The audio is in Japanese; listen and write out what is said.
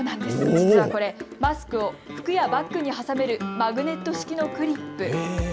これ、マスクを服やバッグに挟めるマグネット式のクリップ。